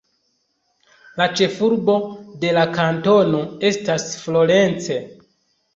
La ĉefurbo de la kantono estas Florence.